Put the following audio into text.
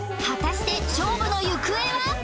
果たして勝負の行方は？